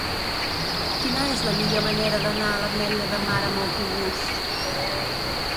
Quina és la millor manera d'anar a l'Ametlla de Mar amb autobús?